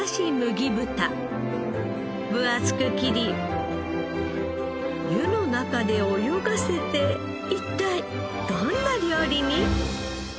分厚く切り湯の中で泳がせて一体どんな料理に？